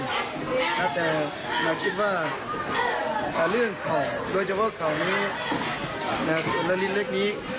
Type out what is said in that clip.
นอกไม่ดีแต่เราคิดว่าเรื่องข่าวโดยเฉพาะข่าวนี้ส่วนละลิ้นเล็กนี้